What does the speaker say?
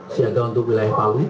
siaga untuk wilayah palu